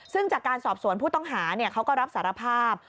ซึ่งจากการสอบสวนผู้ต้องหาเขาก็รับสารภาพ